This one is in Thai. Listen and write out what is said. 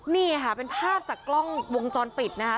นี่ค่ะเป็นภาพจากกล้องวงจรปิดนะคะ